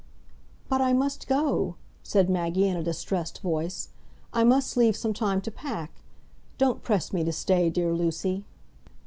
"But I must go," said Maggie, in a distressed voice. "I must leave some time to pack. Don't press me to stay, dear Lucy."